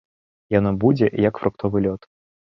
Яно будзе, як фруктовы лёд.